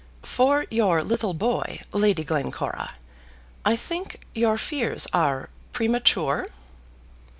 For your little boy, Lady Glencora, I think your fears are premature."